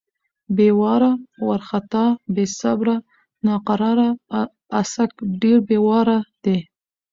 بې واره، وارختا= بې صبره، ناقراره. اڅک ډېر بې واره دی.